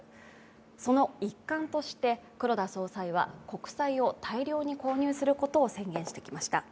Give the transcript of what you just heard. その一環として黒田総裁は国債を大量に購入することを宣言してきました。